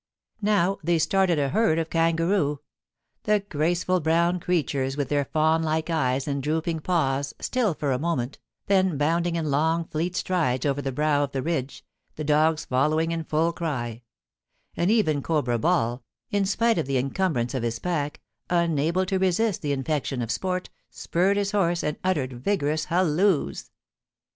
Now, they started a herd of kangaroo — the graceful brown creatures with their fawn like eyes and drooping paws, still for a moment, then bounding in long fleet strides over the brow of the ridge, the dogs following in full cry ; and even Cobra Ball, in spite of the encumbrance of his pack, unable to resist the infection of sport, spurred his horse, and uttered vigorous halloos.